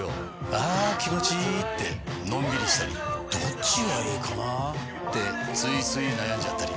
あ気持ちいいってのんびりしたりどっちがいいかなってついつい悩んじゃったり。